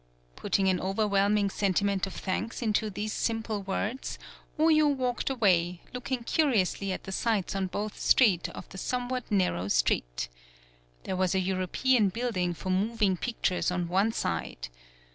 Putting an overwhelming sentiment of thanks into these simple words, Oyo walked away, looking curiously at the sights on both sides of the somewhat narrow street. There was a European building for moving pictures on one side.